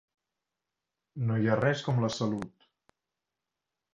No hi ha res com la salut.